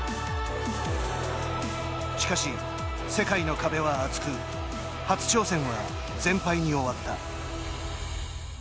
しかし、世界の壁は厚く初挑戦は全敗に終わった。